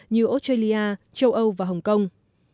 như australia châu âu và hồng kông